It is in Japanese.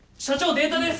データです！